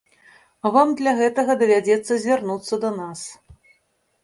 Вам для гэтага давядзецца звярнуцца да нас.